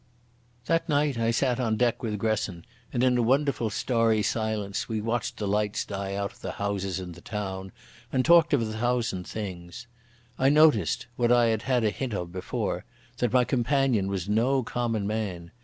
That night I sat on deck with Gresson, and in a wonderful starry silence we watched the lights die out of the houses in the town, and talked of a thousand things. I noticed—what I had had a hint of before—that my companion was no common man.